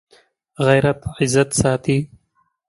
غیرت عزت ساتي